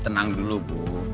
tenang dulu bu